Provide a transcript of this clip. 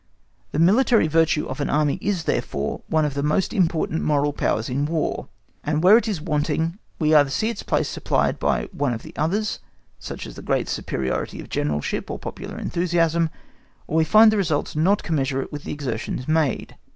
The military virtue of an Army is, therefore, one of the most important moral powers in War, and where it is wanting, we either see its place supplied by one of the others, such as the great superiority of generalship or popular enthusiasm, or we find the results not commensurate with the exertions made.